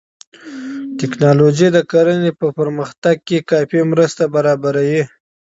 ټکنالوژي د کرنې په پرمختګ کې کافي مرسته برابروي.